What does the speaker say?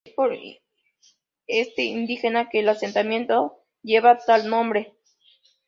Es por este indígena que el asentamiento lleva tal nombre.